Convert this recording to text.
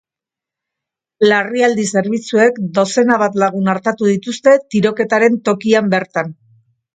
Larrialdi zerbitzuek dozena bat lagun artatu dituzte tiroketaren tokian bertan.